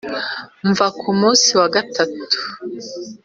mva Ku munsi wa gatatu